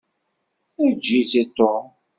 Eǧǧ-itt i Tom.